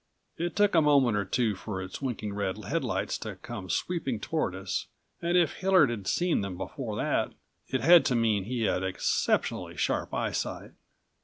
It took a moment or two for its winking red headlights to come sweeping toward us and if Hillard had seen them before that it had to mean he had exceptionally sharp eyesight.